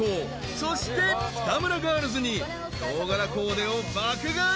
［そして北村ガールズにヒョウ柄コーデを爆買い］